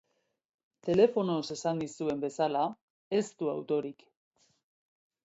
Telefonoz esan nizuen bezala, Ez du autorik.